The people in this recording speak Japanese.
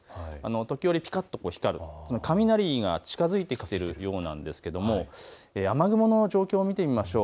時折ぴかっと光る雷が近づいてきているようなんですけれども雨雲の状況を見てみましょう。